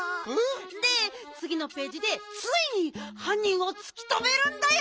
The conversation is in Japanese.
でつぎのページでついにはんにんをつきとめるんだよ！